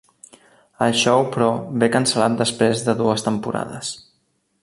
El show però ve cancel·lat després de dues temporades.